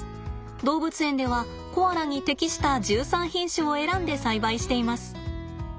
動物園ではコアラに適した１３品種を選んで栽培しています。